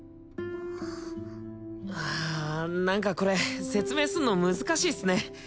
ああ何かこれ説明すんの難しいっすね